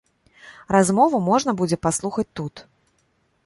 Размову можна будзе паслухаць тут.